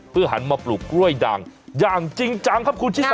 หันมาปลูกกล้วยดังอย่างจริงจังครับคุณชิสา